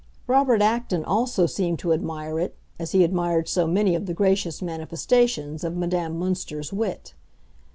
Robert Acton also seemed to admire it, as he admired so many of the gracious manifestations of Madame Münster's wit.